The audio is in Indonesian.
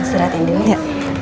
istirahatin dulu ya